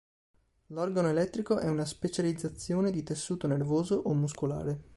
L'organo elettrico è una specializzazione di tessuto nervoso o muscolare.